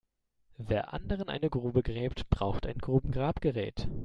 Wer anderen eine Grube gräbt, braucht ein Grubengrabgerät.